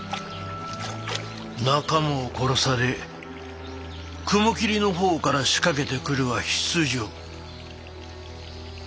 仲間を殺され雲霧の方から仕掛けてくるは必定。